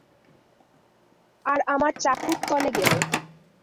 আর আমার চাকুর তলে গেল।